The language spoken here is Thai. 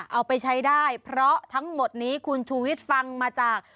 เอาไปใช้ได้เพราะทั้งหมดนี้คุณชูวิทย์ฟังมาจาก